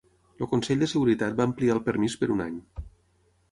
El Consell de Seguretat va ampliar el permís per un any.